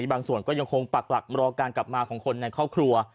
บางส่วนก็ยังคงปักหลักรอการกลับมาของคนในครอบครัว